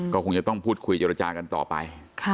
ก็คงจะต้องพูดคุยเจรจากันต่อไป